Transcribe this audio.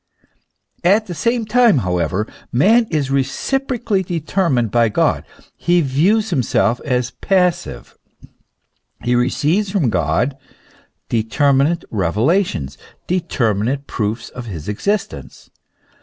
At the same time, however, man is reciprocally deter mined by God ; he views himself as passive ; he receives from God determinate revelations, determinate proofs of his exist ence.